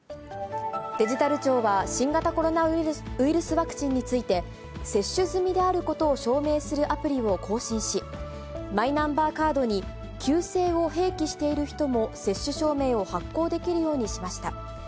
デジタル庁は、新型コロナウイルスワクチンについて、接種済みであることを証明するアプリを更新し、マイナンバーカードに旧姓を併記している人も接種証明を発行できるようにしました。